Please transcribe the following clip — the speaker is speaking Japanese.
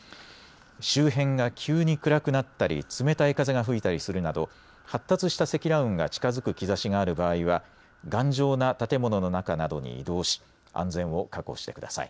周辺が急に暗くなったり冷たい風が吹いたりするなど発達した積乱雲が近づく兆しがある場合は頑丈な建物の中などに移動し安全を確保してください。